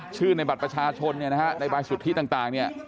ในบัตรประชาชนเนี่ยนะฮะในใบสุทธิต่างเนี่ย